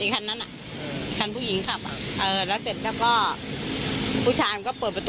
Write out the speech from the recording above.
ต้องเข้ามาห้ามอ่ะต้องเข้ามาแยกทั้งคู่อ่ะค่ะ